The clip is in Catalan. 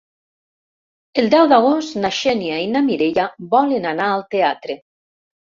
El deu d'agost na Xènia i na Mireia volen anar al teatre.